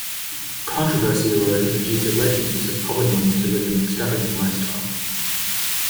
Controversy arose over Gee's alleged usage of public money to live an extravagant lifestyle.